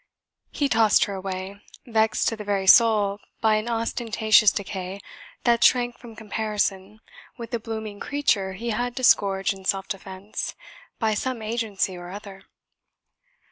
He tossed her away, vexed to the very soul by an ostentatious decay that shrank from comparison with the blooming creature he had to scourge in self defence, by some agency or other.